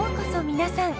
皆さん。